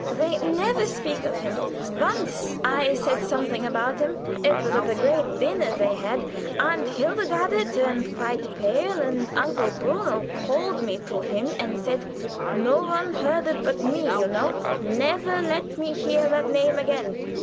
"They never speak of him. Once I said something about him. It was at a great dinner they had. Aunt Hildegarde turned quite pale, and Uncle Bruno called me to him and said no one heard it but me, you know 'Never let me hear that name again!'